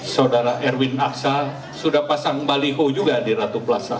saudara erwin aksa sudah pasang baliho juga di ratu plaza